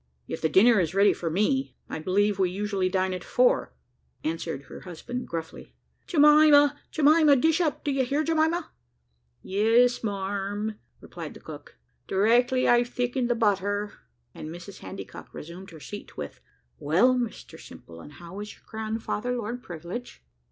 "If the dinner is ready for me. I believe we usually dine at four," answered her husband gruffly. "Jemima, Jemima, dish up! do you hear, Jemima?" "Yes, marm," replied the cook, "directly I've thickened the butter;" and Mrs Handycock resumed her seat, with: "Well, Mr Simple, and how is your grandfather, Lord Privilege?"